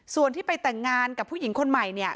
ส่วนที่ไปแต่งงานกับผู้หญิงคนใหม่เนี่ย